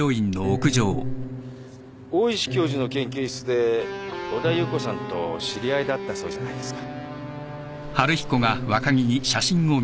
大石教授の研究室で小田夕子さんと知り合いだったそうじゃないですか。